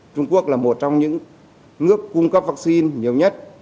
trung quốc là một trong những nước cung cấp vaccine nhiều nhất